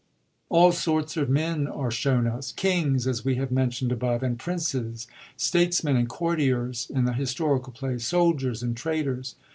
All sorts of men are shown us — ^kings, as we have mentiond above, and princes; statesmen and courtiers in the historical plays ; soldiers and traitors.